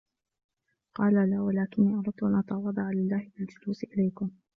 قَالَ لَا وَلَكِنِّي أَرَدْتُ أَنْ أَتَوَاضَعَ لِلَّهِ بِالْجُلُوسِ إلَيْكُمْ